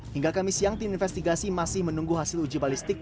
hingga kamis siang tim investigasi masih menunggu hasil uji balistik